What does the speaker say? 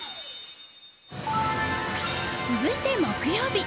続いて木曜日。